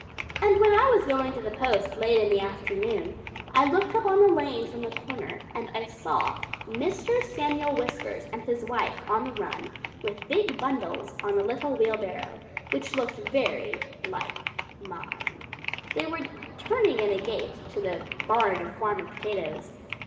And when I was going to the post late in the afternoon I looked up the land from the corner, and I saw Mr. Samuel Whiskers and his wife on the run, with big bundles on a little wheelbarrow, which looked very much like mine. They were just turning in at the gate to the barn of Farmer Potatoes.